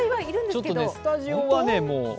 スタジオはね、もう。